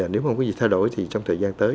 nếu mà có gì thay đổi thì trong thời gian tới